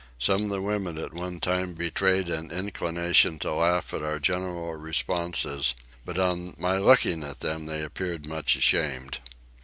Some of the women at one time betrayed an inclination to laugh at our general responses; but on my looking at them they appeared much ashamed.